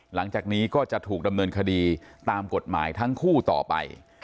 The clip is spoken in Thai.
หลังจากนี้ก็จะถูกดำเนินคดีตามกฎหมายทั้งคู่ต่อไป